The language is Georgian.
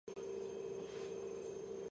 დაიბადა ილინოისის შტატში.